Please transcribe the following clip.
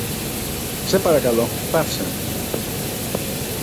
Σε παρακαλώ, παύσε!